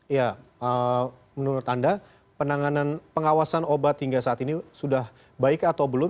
ya menurut anda penanganan pengawasan obat hingga saat ini sudah baik atau belum